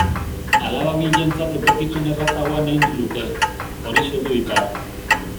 Alaba bientzat etorkizun errazagoa nahi luke, horixe du ipar.